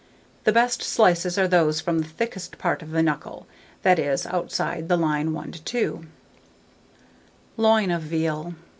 The best slices are those from the thickest part of the knuckle, that is, outside the line 1 to 2. LOIN OF VEAL.